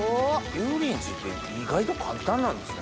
油淋鶏って意外と簡単なんですね。